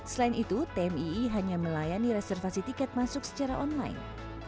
selain itu tmii hanya melayani reservasi tiket masuk secara online